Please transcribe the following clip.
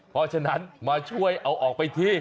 เพราะฉะนั้นมาช่วยเอาออกไปที